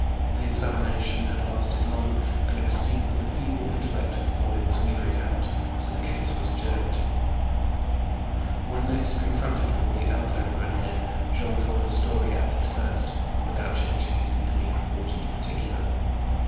The examination had lasted long, and it was soon that the feeble intellect of the boy was wearied out, so the case was adjourned. When next confronted with the elder Grcnicr, Jean told his story as at first, with out changing it in any important particular.